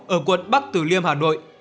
ở quận bắc tử liêm hà nội